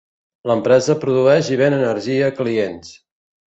L'empresa produeix i ven energia a clients.